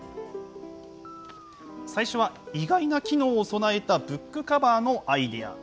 最初は、意外な機能を備えたブックカバーのアイデア。